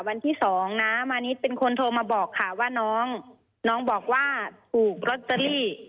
วันที่สองน้ามานิดเป็นคนโทรมาบอกค่ะว่าน้องน้องบอกว่าถูกลอตเตอรี่